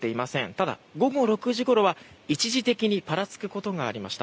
ただ、午後６時ごろは一時的にぱらつくことがありました。